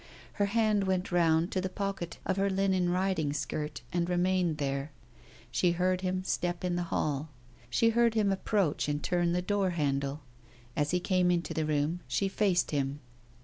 Her hand went round to the pocket of her linen riding skirt and remained there. She heard his step in the hall; she heard him approach and turn the door handle. As he came into the room she faced him.